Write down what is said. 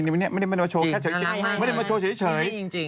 ไม่ได้มาโชว์แค่เฉย